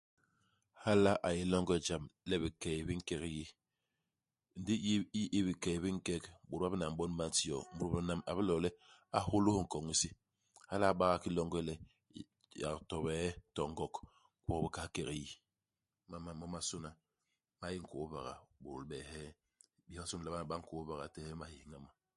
Hala a yé longe i jam le bikey bi nkek yi. Ndi iyi iyi i bikey bi nkek, bôt ba binam bon ba nti yo, mut binam a bilo le a hôlôs nkon hisi. Hala a ba nga ki longe le yak to bie, to ngok, gwok bi kahal kek yi. Imam ma momasôna ma yé nkôôbaga ibôdôl beehee. Bésbobasô di nlama ni ba nkôôbaga itehe imahéñha ma.